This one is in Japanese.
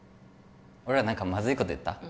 俺ら何かまずいこと言った？